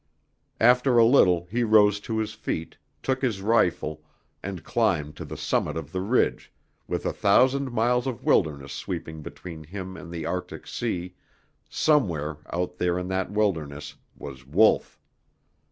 After a little he rose to his feet, took his rifle, and climbed to the summit of the ridge, with a thousand miles of wilderness sweeping between him and the Arctic sea. And somewhere out there in that wilderness was Wolf!